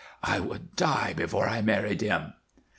"I would die before I married him."